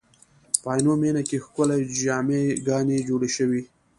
په عینومېنه کې ښکلې جامع ګانې جوړې شوې.